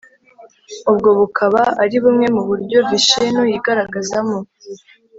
ubwo bukaba ari bumwe mu buryo vishinu yigaragazamo.